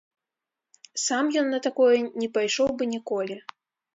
Сам ён на такое не пайшоў бы ніколі.